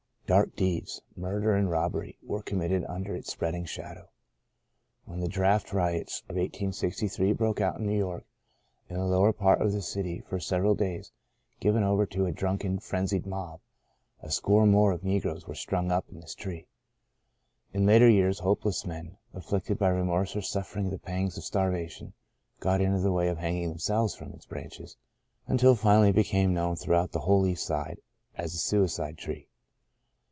Dark deeds — murder and robbery — were committed under its spreading shadow. When the draft riots of 1863 broke out in New York, and the lower part of the city for several days given over to a drunken, frenzied mob, a score or more of negroes were strung up in this tree. In later years, hopeless men, afflicted by remorse or suffering the pangs of starvation, got into the way of hanging themselves from its branches, until, finally, it became known throughout the whole East Side as the Suicide Tree.